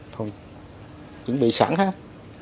thôi chuẩn bị sẵn hết